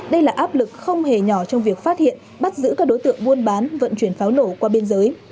đây là áp lực không hề nhỏ trong việc phát hiện bắt giữ các đối tượng buôn bán vận chuyển pháo nổ qua biên giới